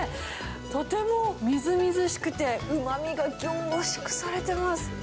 とてもみずみずしくて、うまみが凝縮されてます。